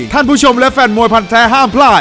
ท่านผู้ชมและแฟนมวยพันแท้ห้ามพลาด